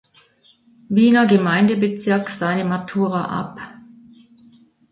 Wiener Gemeindebezirk seine Matura ab.